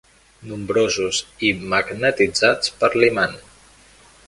Nombrosos i magnetitzats per l'imant.